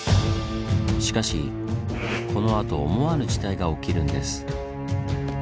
しかしこのあと思わぬ事態が起きるんです。